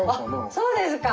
そうですか。